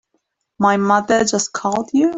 My mother just called you?